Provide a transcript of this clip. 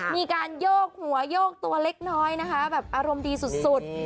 มีการโยกหัวโยกตัวเล็กน้อยนะคะแบบอารมณ์ดีสุด